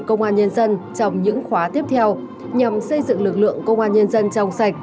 công an nhân dân trong những khóa tiếp theo nhằm xây dựng lực lượng công an nhân dân trong sạch